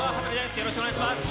よろしくお願いします。